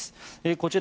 こちら